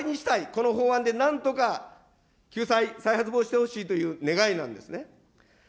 この法案でなんとか救済、再発防止してほしいという願いなんですね。